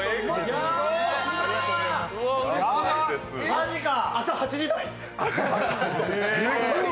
マジか！